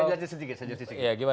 saya jelajah sedikit